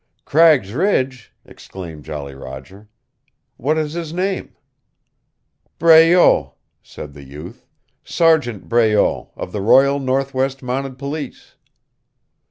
"Cragg's Ridge!" exclaimed Jolly Roger. "What is his name?" "Breault," said the youth. "Sergeant Breault, of the Royal Northwest Mounted Police."